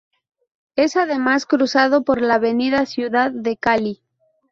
Es además cruzado por la Avenida Ciudad de Cali.